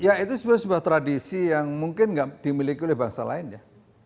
ya itu sebenarnya sebuah tradisi yang mungkin nggak dimiliki oleh bangsa lain ya